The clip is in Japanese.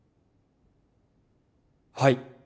はい。